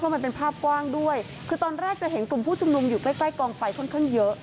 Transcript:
มันเป็นภาพกว้างด้วยคือตอนแรกจะเห็นกลุ่มผู้ชุมนุมอยู่ใกล้ใกล้กองไฟค่อนข้างเยอะ